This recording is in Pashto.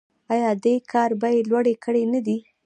آیا دې کار بیې لوړې کړې نه دي؟